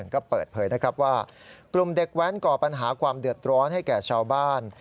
ก็เปิดเผยนะครับว่ากลุ่มเด็กแว้นก่อปัญหาความเดือดร้อนให้แก่ชาวบ้าน